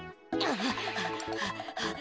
はあはあ